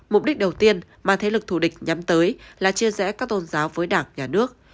mục đích đầu tiên mà thế lực thù địch nhắm tới là chia rẽ các tôn giáo với đảng nhà nước